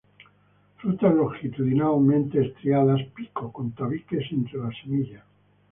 Frutas longitudinalmente estriadas, pico, con tabiques entre las semillas.